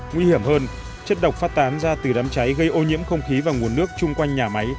nguy hiểm hơn chất độc phát tán ra từ đám cháy gây ô nhiễm không khí và nguồn nước chung quanh nhà máy